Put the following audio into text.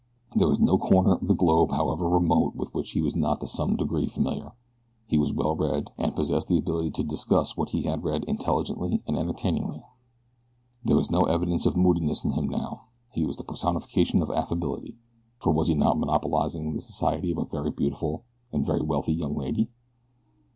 There was no corner of the globe however remote with which he was not to some degree familiar. He was well read, and possessed the ability to discuss what he had read intelligently and entertainingly. There was no evidence of moodiness in him now. He was the personification of affability, for was he not monopolizing the society of a very beautiful, and very wealthy young lady?